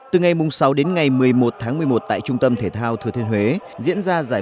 từ ngày sáu đến ngày một mươi một tháng một mươi một tại trung tâm thể thao thừa thiên huế diễn ra giải